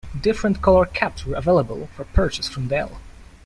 Different color caps were available for purchase from Dell.